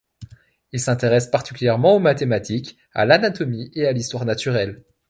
Il s'intéresse particulièrement aux mathématiques, à l'anatomie et à l'histoire naturelle.